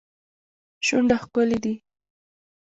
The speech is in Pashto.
شونډه ښکلې دي.